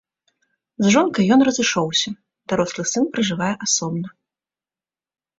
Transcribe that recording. З жонкай ён разышоўся, дарослы сын пражывае асобна.